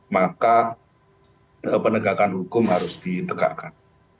maka penegakan hukum harus ditegakkan